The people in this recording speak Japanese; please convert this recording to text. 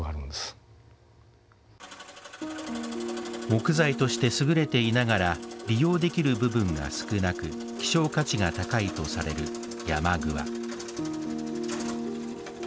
木材として優れていながら利用できる部分が少なく希少価値が高いとされるヤマグワ。